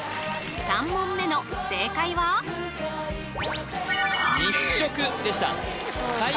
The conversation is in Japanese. ３問目の正解は日食でしたえっ！